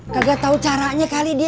kagak tahu caranya kali dia